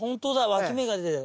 わき芽が出てる。